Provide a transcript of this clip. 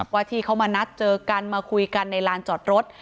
ว่าที่เขามานัดเจอกันมาคุยกันในลานจอดรถ